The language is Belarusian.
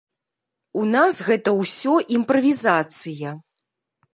У нас гэта ўсё імправізацыя.